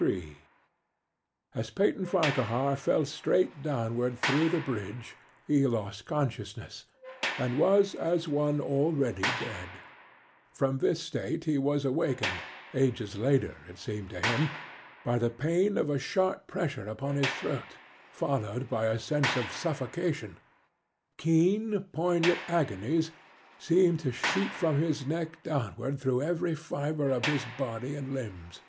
III As Peyton Farquhar fell straight downward through the bridge he lost consciousness and was as one already dead. From this state he was awakened ages later, it seemed to him by the pain of a sharp pressure upon his throat, followed by a sense of suffocation. Keen, poignant agonies seemed to shoot from his neck downward through every fibre of his body and limbs.